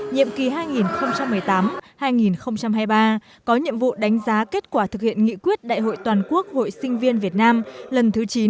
nhiệm kỳ hai nghìn một mươi tám hai nghìn hai mươi ba có nhiệm vụ đánh giá kết quả thực hiện nghị quyết đại hội toàn quốc hội sinh viên việt nam lần thứ chín